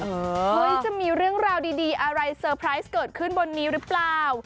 เฮ้ยจะมีเรื่องราวดีอะไรเซอร์ไพรส์เกิดขึ้นบนนี้หรือเปล่า